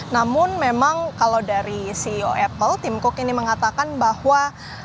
namun memang kalau dari ceo apple tim cook ini mengatakan bahwa